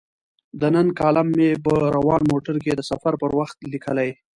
د نن کالم مې په روان موټر کې د سفر پر وخت لیکلی.